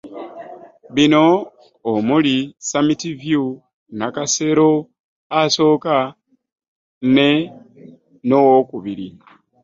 Bino omuli; Summit View, Nakasero asooka ne n'owookubiri